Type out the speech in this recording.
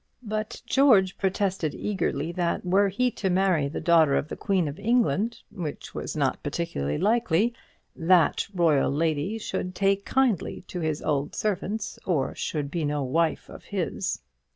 But George protested eagerly that, were he to marry the daughter of the Queen of England, which was not particularly likely, that royal lady should take kindly to his old servants, or should be no wife of his.